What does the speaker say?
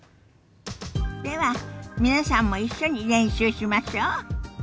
では皆さんも一緒に練習しましょ。